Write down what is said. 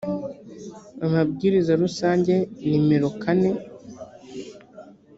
amabwiriza rusange nimero kane